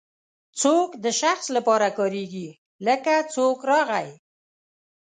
څوک د شخص لپاره کاریږي لکه څوک راغی.